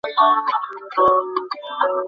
নিসার আলি তাকালেন তিন্নির দিকে।